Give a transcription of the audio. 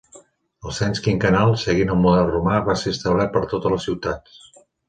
El cens quinquennal, seguint el model romà, va ser establert per a totes les ciutats.